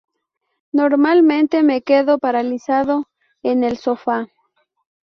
Normalmente me quedo paralizado en el sofá".